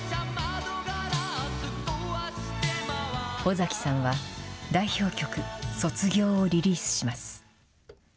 尾崎さんは代表曲、卒業をリリースします。